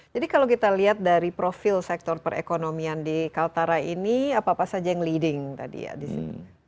jadi kalau kita lihat dari profil sektor perekonomian di kaltara ini apa apa saja yang leading tadi ya di sini